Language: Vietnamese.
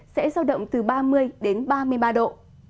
sẽ giao động từ ba mươi đến ba mươi ba độ